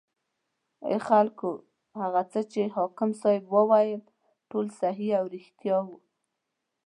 ای خلکو هغه څه چې حاکم صیب وویل ټول صحیح او ریښتیا و.